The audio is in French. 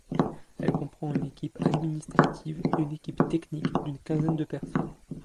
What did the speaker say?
Elle comprend une équipe administrative et une équipe technique d'une quinzaine de personnes.